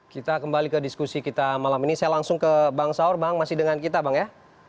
kita kembali ke diskusi kita malam ini saya langsung ke bang saur bang masih dengan kita bang ya